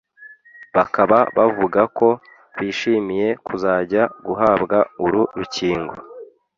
bakaba bavugaga ko bishimiye kuzajya guhabwa uru rukinngo